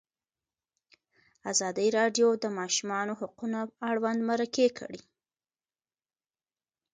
ازادي راډیو د د ماشومانو حقونه اړوند مرکې کړي.